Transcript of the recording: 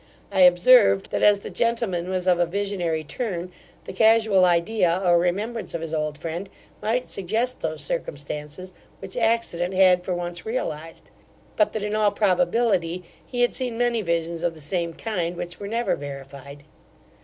I observed, that as the gentleman was of a visionary turn, the casual idea, or remembrance of his old friend, might suggest those circumstances, which accident had for once realized; but that in all probability he had seen many visions of the same kind, which were never verified.